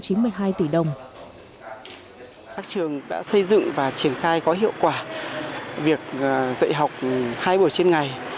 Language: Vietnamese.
các trường đã xây dựng và triển khai có hiệu quả việc dạy học hai buổi trên ngày